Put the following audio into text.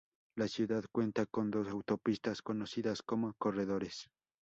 La ciudad cuenta con dos autopistas, conocidas como "corredores".